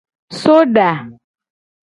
Soda.